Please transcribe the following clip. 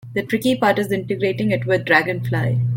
The tricky part is integrating it with Dragonfly.